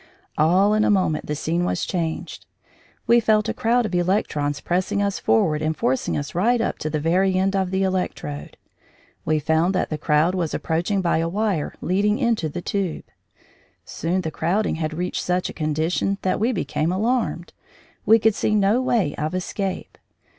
All in a moment the scene was changed. We felt a crowd of electrons pressing us forward and forcing us right up to the very end of the electrode. We found that the crowd was approaching by a wire leading into the tube. Soon the crowding had reached such a condition that we became alarmed; we could see no way of escape.